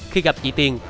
khi gặp chị tiên